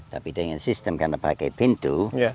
tapi dengan sistem karena pakai pintu